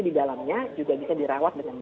di dalamnya juga bisa dirawat dengan